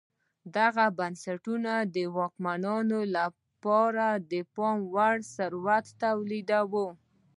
دغو بنسټونو د واکمنانو لپاره د پام وړ ثروت تولیداوه